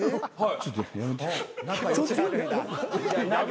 ちょっとやめて。